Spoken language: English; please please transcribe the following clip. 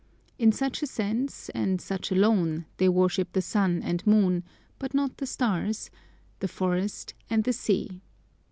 In such a sense and such alone they worship the sun and moon (but not the stars), the forest, and the sea.